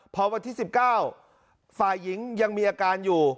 พอวันที่๑๙ฝ่ายหญิงยังมีอาการอยู่